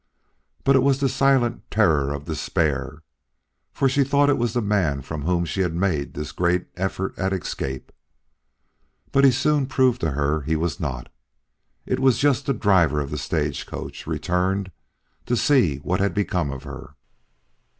But it was the silent terror of despair, for she thought it was the man from whom she had made this great effort at escape. But he soon proved to her he was not. It was just the driver of the stagecoach, returned to see what had become of her.